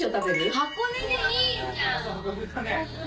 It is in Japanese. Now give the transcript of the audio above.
箱根でいいじゃん。